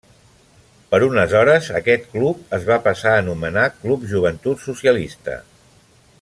Per unes hores aquest club es va passar a anomenar Club Joventut Socialista.